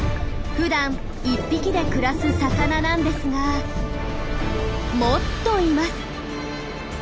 ふだん１匹で暮らす魚なんですがもっといます。